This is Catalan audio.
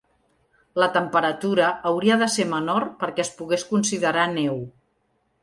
La temperatura hauria de ser menor perquè es pogués considerar neu.